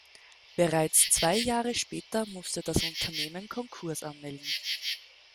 Bereits zwei Jahre später musste das Unternehmen Konkurs anmelden.